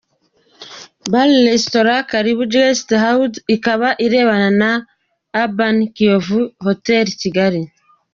Bar Restaurant Karibu Guest House ikaba irebana na Urban Kiyovu Hotel Kigali.